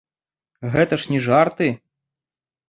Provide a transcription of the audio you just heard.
Гэта ж не жарты!